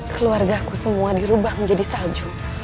keluarga aku semua dirubah menjadi salju